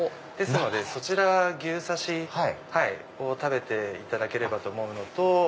ですのでそちら牛刺しを食べていただければと思うのと。